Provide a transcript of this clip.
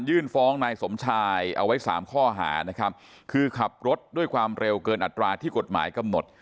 ฟ้องนายสมชายเอาไว้สามข้อหานะครับคือขับรถด้วยความเร็วเกินอัตราที่กฎหมายกำหนด